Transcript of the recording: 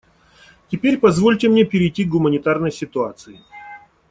Теперь позвольте мне перейти к гуманитарной ситуации.